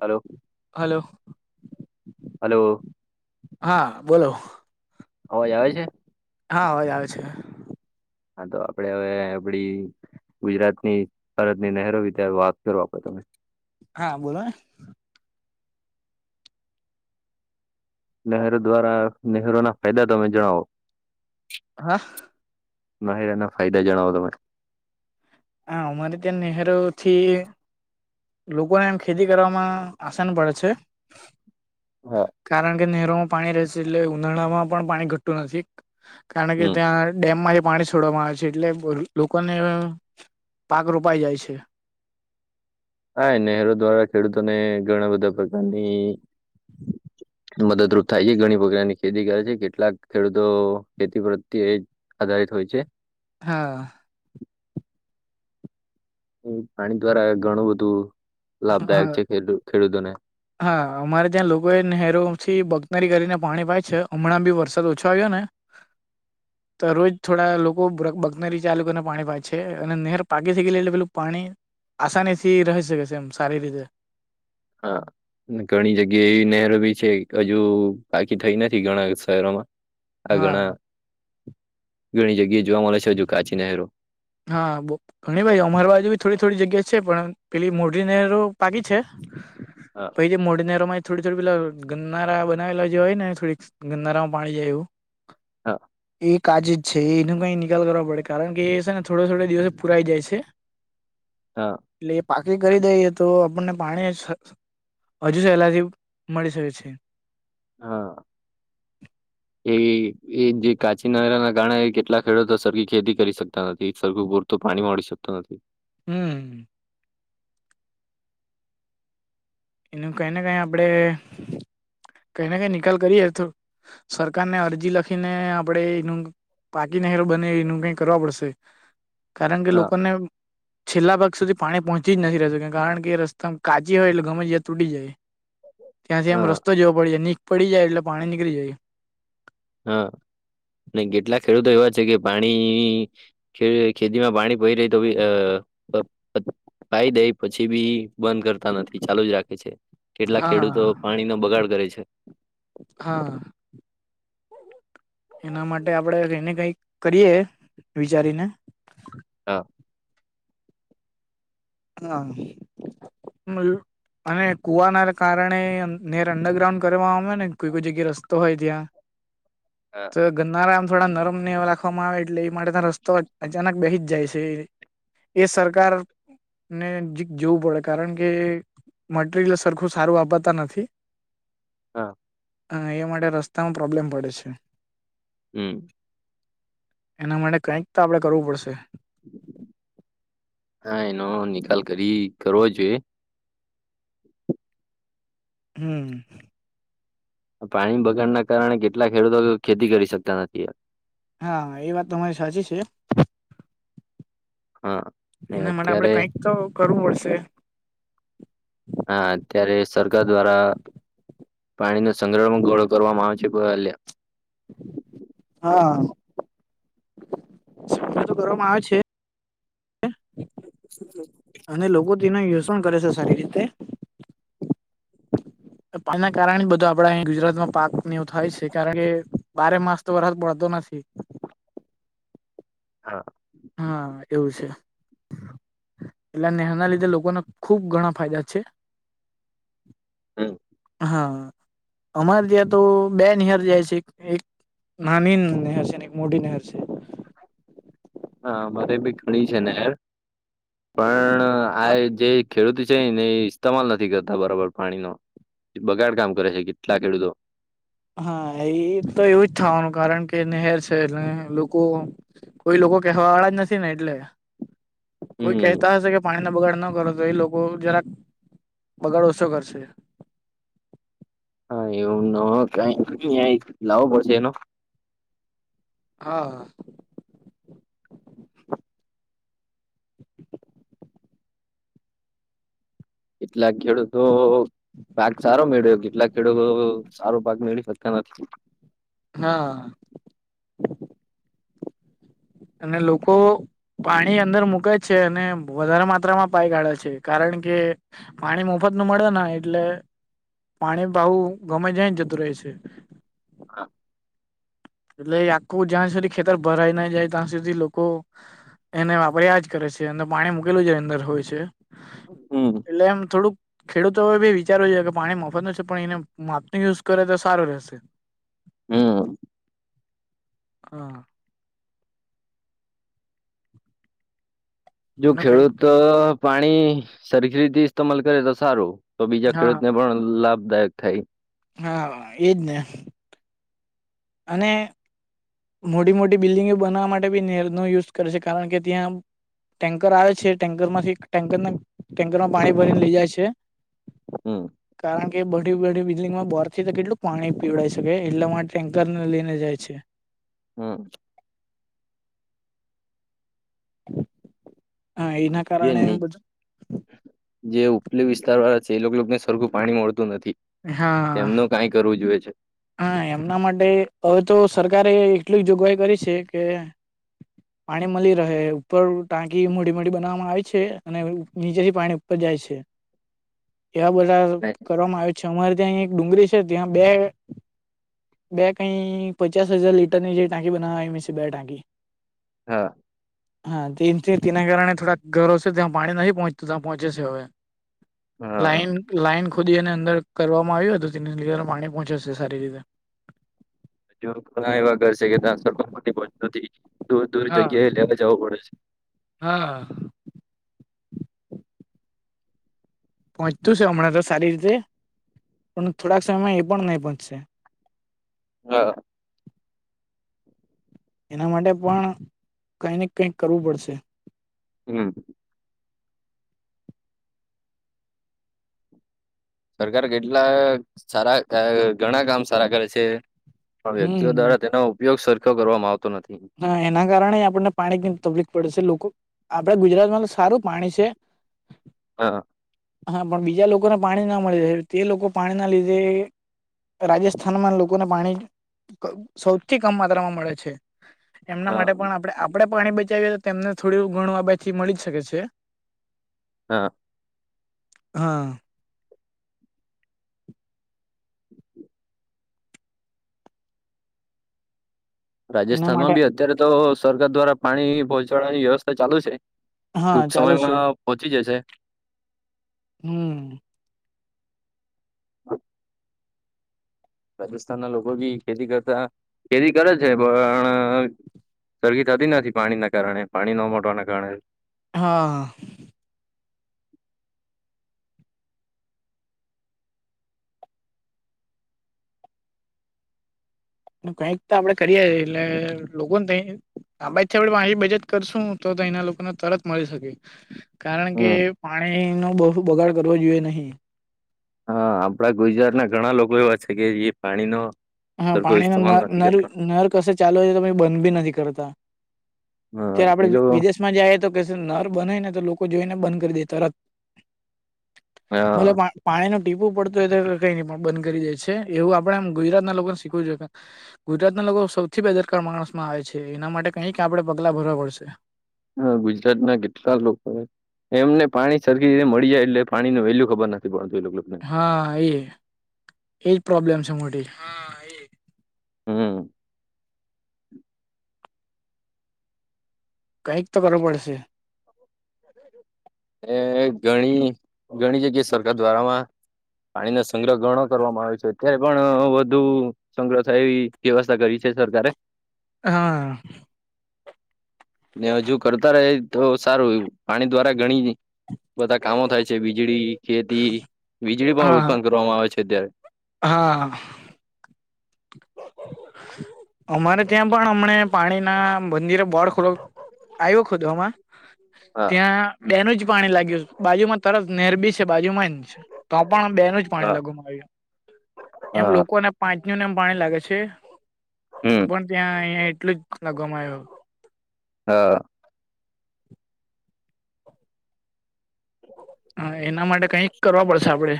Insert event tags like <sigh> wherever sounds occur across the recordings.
Hello hello hello હા બોલો હવે આવે આવે છે. હા હોવે આવે છે. હા તો આપડે હવે આપડી ગુજરાતની ભરત ની નહેરો વિદ્યાર્ વાત કરો આપો તમે હા બોલો નહેરો દ્વારા નહેરો ના ફાયદા તમે જણાવો હા માર એના ફાયદા જણાવો તરે હ અમર્દન નનેહેરુથી. લોકોને એમ ખેતી કરવામાં આસાન પડે છે. હા કારણ કે નહેરોમાં પાણી રહે છે એટલે ઉનાળા માં પણ પાણી ઘટતું નથી. કારણ કે હમ ત્યાં ડેમમાંથી પાણી છોડવામાં આવે છે એટલે લોકોને પાક રોપાઈ જાય છે. હા નનેરો દ્વારા ખેડૂતોને ઘણા બધા પ્રકારની મદદરૂપ થાય છે ઘણી પ્રકારની ખેતી કરે છે કેટલાક ખેડૂતો ખેતી પ્રત્યે આધારિત હોય છે. હા એ પાણી દ્વારા ઘણું બધું લાભદાયક હા છે, ખેડૂતોને હા અમારે ત્યાં લોકો એ નહેરોથી બકતરી કરીને પાણી પાય છે હમણાં બી વરસાદ ઓછો આવ્યો ને તો રોજ થોડા લોકો બકનરી ચાલુને પાણી પા છે અને નહેર પાકી થ ગયે એટલે પેલું પાણી આસાનીથી રહી શકે છે, એમ સારી રીતે હા ઘણી જગ્યા એવી નહેર બી છે હજુ બાકી થઈ નથી ઘણા શહેરોમાં આ ઘણા હા ઘણી જગ્યાએ જોવા મળે છે હજુ કાચી નહેરો હા ઘણી ભાઈ અમાર બાજુ બી થોડી થોડી જગ્યા છે પણ પેલી મોટી નહેરો બાકી છે. હ એ મોટી નેરો માં થોડી થોડી પેલા ગરનારા બનાવેલા જે હોય ને થોડીક ગરનારામાં પાણી જાય એવુ હા એ કાજે જ છે એનો કઈ નિકાલ કરવા પડે કારણ કે એ થોડો થોડા દિવસો પુરાઈ જાય છે. હા એટલે એ પાકી કરી દઈએ તો આપણને પાણી હજુ સહેલાથી મળી શકે છે. હા એ એ જે કાચી નરા ના કારણે કેટલા ખેડૂતો સરખી ખેતી કરી શકતા નથી સરખુ તો પાણીમાં શકતો નથી. હમ્મ એનું કઈને કઈ આપડે કઈ ને કઈ નિકાલ કરીએ તો સરકારને અરજી લખીને આપણેે એનુ પાકી નહેરો બને એનું કઈ કરવા પડશે કારણ કે હા લોકોને છેલ્લા ભાગ સુ પાણી પહોંચી જ નથી રેતુ કારણ કે રસ્તા કાચી હોય એટલે ગમે જ્યા તૂટી જાય. ત્યાંથી આમ હા રસ્તો જ એવો પડી જાય નીક પડી જાય એટલે પાણી નીકળી જાય. હા ને કેટલા ખેડૂતો એવા છે કે પાણી ખેતીમાં પાણી પડી રહી તો બી ભાઈ દઈ પછી બી બંધ નથી ચાલુ જ રાખે છે કેટલાક ખેડૂતો હા પાણી નો બગાડ કરે છે. હા. એના માટે આપડે એને કઈ કરીએ વિચારીને હા. હા. અને કુવાના કારણે નેર અંડરગ્રાઉન્ડ કર આવે ને કોઈ બી જગ્યા રસ્તો હોય ત્યાં <inaudible> ગરનારા આમ થોડા નરમ ને એવા રાખવામાં આવે એટલે એ માટેના રસ્તો અચાનક બેહી જાય છે. એ સરકાર. ને જીક જેવું પડે કારણ કે મટરિયલ સરખું સારું વાપરતા નથી. હા. હ એ માટે રસ્તામાં પ્રોબ્લેમ પડે છે. હમ્મ. એના માટે કાઈક તો આપણે કરવું પડશે. હા એનો નિકાલ કરી કરવો જોઈએ. હમ્મ. પાણી બગાડના કારણે કેટલા ખેડૂતો ખેતી કરી શકતા નથી. હા એ વાત તમારી સાચી છે. હા. ને એના માટે આપડે અત્યારે કાંઈક તો કરવું પડશે. હા અત્યારે સરકાર દ્વારા પાણી નો સંગ્રહ ગળો કરવામાં આવે છે. હા. તો કરવામાં આવે છે <inaudible> અને લોકો તો એનો યુઝ પણ કરે છે સારી રીતે એના કારણે બધું આપડા અહીંયા ગુજરાતમાં પાક એવો થાય છે કારણ કે બારે માસ તો વરત પડતો નથી હા. હા એવું છે. એટલે નહેરના લીધે લોકોને ખૂબ ઘણા ફાયદા હા. હમ્મ. હા અમારે ત્યાં તો બેન હહર જાય છે એક નાની નહેર છે ને એક મોડી નહેર છે. હા અમારે ભી ઘણી છે ને. પણ આ જે ખેડૂતી છે ને એ ઇસ્ટમાંલ નથી કરતો. બરાબર પાણી ન બગાડ કામ કરે છે કેટલા ખેડૂતો હા એ તો એવું જ થવાનું કારણ કે નહેર છે એટલે લોકો કોઈ લોકો કહેવા વાળા જ નથી ને એટલે કોઈ હમ કહેતા હશે કે પાણીનો બગાડ ન કરો તો એ લોકો જરાક બગાડ ઓછો કરશે. હા એવું ક લાવવો પડશે એનો હા હ. <inaudible> કેટલાક ખેડૂતો. પાક સારો મેળ્યો કેટલાક ખેડૂતો સારો પાક મેળવી શક્યા નથી હા અને લોકો પાણી અંદર મૂકે જ છે અને વધારે માત્રામાં પાઈ ગાળે છે કારણ કે પાણી મોફત નું મળે એટલે પાણી ભાવું ગમે જઈ જતું રહે છે હા એટલે ું જાં સુધ ક્ષેતર ભરાાય ન જાય તં સુધી લોકો એને વાપર આ જ કરે છે અને પાણી મૂકેલું છે અંદર હોય છે હમ એટલે એમ થોડુંક ખેડૂતો બી વિચારવું જોઈએ કે પાણી મફતનું છે પણ એને માપ ન યુઝ કરે તો સારું રહેશે હમ હા જો એનો કઈક ખેડૂત પાણી સરખી રીતે ઇમલ કરે તો સારું તો બીજા હા ખેડૂતને પણ લાભદાયક થાય હા એજ ને અને મોટી મોટી બિલ્ડિંગો બનાવવા માટે બી નેરનો યુઝ કરે છે કારણ કે ત્યાં ટેન્કર આવે છે ટેન્કર માંથી ટેન્કરના ટેન્કર માં પાણી ભરીને લઇ જાય છે હમ કારણ કે બધી બી બિલ્ડિંગમાં બોર થી તો કેટલું પાણી પીવડાઈ શકે એટલે માટે ટેન્કર ને લઈને જાય છે હા હા એના જે કારણે એમ બધું જે ઉપલે વિસ્તાર વાળા છે એ લોકોને સરખું પાણી મળતું નથી હા એમનું કઈ કરવું જોઈએ છે હા એમના માટે હવે તો સરકારે એટલી જ જોગવાઈ કરી છે કે <inaudible> પાણી મળી રહે ઉપર ટાંકી મોડી મોડી બનાવવામાં આવે છે અને નીચેથી પાણી ઉપર જાય છે એવા બધા કરવામાં આવ છે અમારે ત્યાં એક ડુંગળી છે ત્યાં બે બે કઈ પચાસ હજાર લીટરની જે ટાંકી બનાવા મ બે ટાંકી હા હા તે તેના કારણે થોડાક ગરોવ છે ત્યાં પાણી નથી પહોચતું ત્યાં પહોંચે છે હવે હા લાઈન લાઈન ખોદી અને અંદર કરવામાં આવ્યું હત તે લીટર પાણી પહોંચાશે સારી રીતે ઘ એવા કરશે કે ત્યાં સર મોથી દૂર દૂર હા જગ્યાએ લેવા જવું પડે છે હા પહોંચતું છે હમણાં તો સારી રીતે પણ થોડાક સમયમાં એ પણ નહીં પહોંચશે હા એના માટે પણ કઈ ને કઈક કરવું પડશે હમ સરકાર કેટલા સારા ઘણા કામ સારા કરે છે પણ વ્યક્તિઓ હમ દ્વારા તેનો ઉપયોગ સરખો કરવામાં આવતો નથી હ એના કારણે આપણને પાણી તકલીફ પડે છે લોકો આપડ ગુજરાતમાં તો સારું પાણી છે હા હા પણ બીજા લોકોને પાણી ના મળી રહે તે લોકો પાણી ના લીધે રાજસ્થાનમાં લોકોને પાણી સૌથી કમ માત્રામાં મળે છે એમના હા માટે પણ આપણે આપડે પાણી બચાવીએ તો તેમને થોડ ઘણુંવા બાછી મળી જ શકે છે હા હા હ <unintelligible> એના માટે રાજસ્થાનમાં બી અત્યારે તો સરકાર દ્વારા પાણી પહોંચાડવાની વ્યવસ્થા ચાલુ છે. હા ટૂંક ચાલુ છે સમયમાં પહોંચી જશે- હમ હ <unintelligible> રાજસ્થાન ના લોકો બી ખેતી કરતા ખેતી કરે છે. પણ- સરરગી થતી નથી પાણીના કારણે પાણી ન મળટવાના કારણે- હા હા કઈક તો આપડે કરીએએ એટલે લોકોને કઈ- હા બાજથી આપડ માી બજત કરશું તો તો એના લોકોને તરત મળી શકે- કારણ કે હમ પાણી નો બહુ બગાડ કરવો જોઈએ નહી- હા આપણા ગુજરાત ના ઘણા લોકો એવા છે કે જે પાણીનો- હા સરખો પાણી ન ઇસ્તેમાલ ન નથી કરતા નર કશે ચાલુ હોય તો પ બંધ બી નથી કરતા- હા એલું- માં જાય તો ક નર બને ને તો લોકો જોઈને બંધ કરી દેતા ર હા <unintelligible> પાણી ન ટીપવું પડતુંય તો કઈ બંધ કરી જાય છે એવું આપણેમ ગુજરાત ના લોકોને શીખવું જોયે - ગુજરાતના લોકો સૌથી બેદરકાર માણસમાં આવે છે. એના માટે કઈક આપડણે પગલા ભરવા પડશે- હ ગુજરાત ના કેટલા લોકો- એમને પાણી સરખીને મળી જાય એટલે પાણી ન વેલ્યુ ખબર નથી પડતું એને- હા એ એજ પ્રોબ્લેમ છે. મોટી- હમ કઈક તો કરવો પડશે- એ ગણી ઘણી જગ્યાએ સરકાર દ્વારામાં- પાણી ન સંગ્રહ ગણો કરવામાં આવે છે. અત્યારે પણ વધુ- સંગ્રહ થાય એવી વ્યવસ્થા કરી છે. સરકારે- હા- ને હજુ કરતા રહે તો સારું પાણી દ્વારા ઘણી- બધા કામો થાય છે વીજળી ખેતી વીજળી પણ હા ઉત્પન્ન કરવામાં આવે છે. અત્યારે- હા- અમારે ત્યાં પણ અમને પાણી ના મંદિરે બોળ આવ્યો ખોમાં હા ત્યા બે નું જ પાણી લાગ્યું બાજુમાં તરત નેરબી છે. બાજુમાં તો પણ બે ન જ પાણી હા લગવામાં આવ્યું એમ હા લોકોને મ પાણી લાગે છે તો હમ પણ ત્યાં અહીયાં એટલું જ લાગવામાં આવ્યો. હા- હ એના માટે કઈક કરવા પડશે આપડે.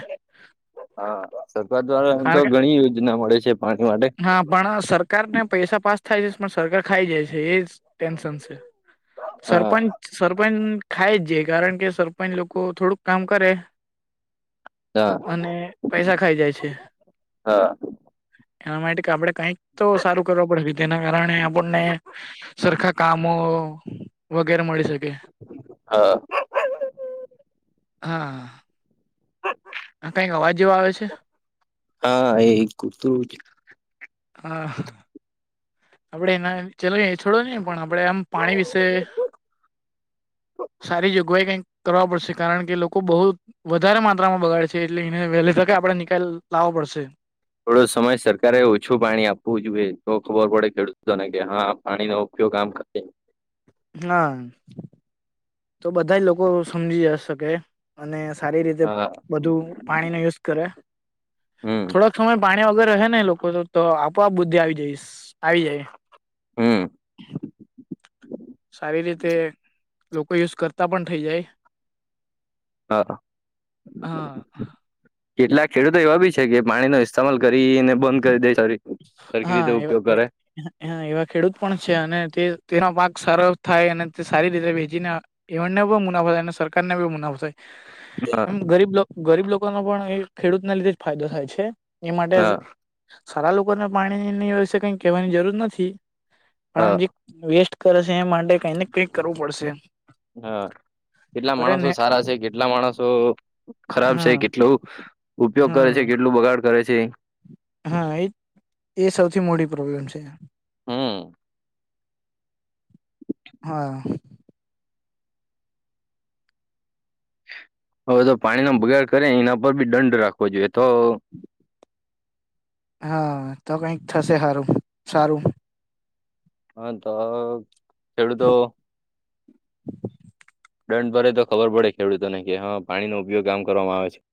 હા સરકાર દ્વારા આમ તો કારણ ઘણી યોજના મળે છે પાણી માટે. કે હા પણ સરકાર ને પૈસા પાસ થાય છે પણ સરકાર ખાઈ જાય છે એજ ટેન્શન છે. હા સરપંચ સરપંચ ખાય જ જે કારણ કે સરપંચ લોકો થોડુંક કામ કરે હા અને પૈસા ખાઈ જાય છે હા એના માટે કે આપણે કઈક તો સારું કરવા પડે તેના કારણે આપણને સરખા કામો વગેરે મળી શકે. હા- હા- હ કઈક અવાજ જે આવે છે. હા એ કતુંરું છે. હા- અપડના- ચલો એ છોડો નહી પણ આપડે આમ પાણી વિશે સારીગ અગવાઈ કઈક કરવા પડશે કારણ કે લોકો બહુ વધારે માત્રામાં બગાડે છે એટલે એને વહેલી તકે આપડે નિકાલ લાવવો પડશે. થોડો સમય સરકારે ઓછું પાણી આપવું જોઈએ તો ખબર પડે ખેડૂતોને કે હા પાણી નો ઉપયોગ આમ કરે. હા તો બધા લોકો સમજી શકે. અને સારી રીતે હા બધું પાણી નો યુઝ કરે હમ થોડક સમય પાણી વગર રહે ને લોકો તો તો આપોઆપ બુદ્ધિ આવી જઈશ આવી જાય. હા સારી રીતે લોકો યુઝ કરતા પણ થઈ જાય. હા હા કેટલાક ખેડૂતો એવા બી છે કે પાણીનોો ઇસ્તેમાલ કરીને બંધ કરી દે સ સરખી રીતે ઉપયોગ કરે. હ એવા ખેડૂત પણ છે અને તે તેનો પાક સારો થાય અને તે સારી રીતે વેચીને એમને પણ મુનાફો થાય અને સરકારને બી મુનાફો થાય. હા એમ ગરીબ ગરીબ લોકોનો પણ એ ખેડૂતના લીધે જ ફાયદો થાય છે એ માટે હા સારા લોકોને પાણીની વ કઈ કહેવાની જરૂર નથી પણ હા આમ જે વેસ્ટ કરે છે એ માટે કઈ ને કઈક કરવું પડશે. હા કેટલા કરે માણસો ને સારા છે કેટલા માણસો ખરાબ છે હા કેટલું. ઉપયોગ કરે છે હા કેટલું બગાડ કરે છે. હા એ એ સૌથી મોડી પ્રોબ્લેમ છે. હમ હા હવે તો પાણીનોો બગાડ કરે એના પર બી દંડ રાખવો જોઈએ તો. હા તો કઈક થશે સારું સારું. હ તો ખતો. દંડ ભરે તો ખબર પડે ખેડૂતોને કે હા પાણીનો ઉપયોગ આમ કરવામાં આવે છે.